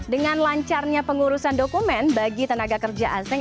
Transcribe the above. dengan lancarnya pengurusan dokumen bagi tenaga kerja asing